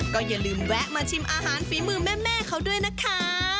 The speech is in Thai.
ก็อย่าลืมแวะมาชิมอาหารฝีมือแม่เขาด้วยนะคะ